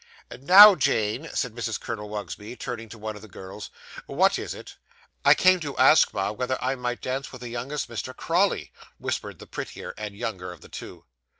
'Now, Jane,' said Mrs. Colonel Wugsby, turning to one of the girls, 'what is it?' I came to ask, ma, whether I might dance with the youngest Mr. Crawley,' whispered the prettier and younger of the two.